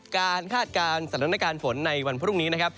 คาดการณ์สถานการณ์ฝนในวันพรุ่งนี้นะครับ